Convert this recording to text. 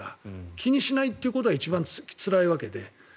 気にしないということが一番つらいわけで。